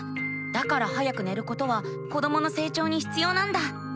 だから早く寝ることは子どもの成長にひつようなんだ。